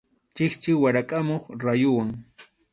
Chikchi warakʼamuq rayuwan.